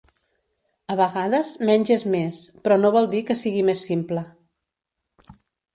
A vegades menys és més, però no vol dir que sigui més simple.